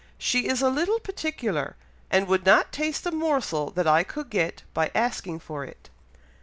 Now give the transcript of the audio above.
She is a little particular, and would not taste a morsel that I could get by asking for it."